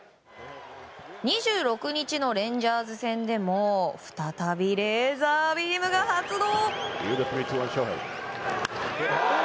２６日のレンジャーズ戦でも再び、レーザービームが発動。